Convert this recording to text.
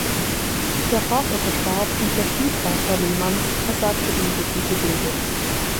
Der Vater verstarb und der Stiefvater Lehmanns versagte ihm jegliche Bildung.